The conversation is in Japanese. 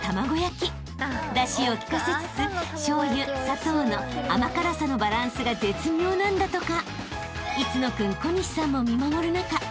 ［だしを利かせつつしょうゆ砂糖の甘辛さのバランスが絶妙なんだとか］